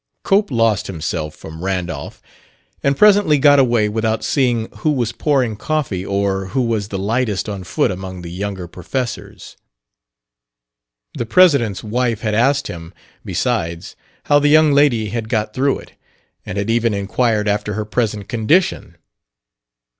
Cope lost himself from Randolph, and presently got away without seeing who was pouring coffee or who was the lightest on foot among the younger professors. The president's wife had asked him, besides, how the young lady had got through it, and had even inquired after her present condition.